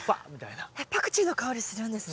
えっパクチーの香りするんですね。